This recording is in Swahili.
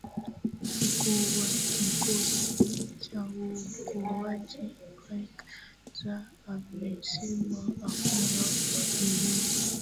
mkuu wa kikosi cha uokoaji grek hais amesema hakuna yeyote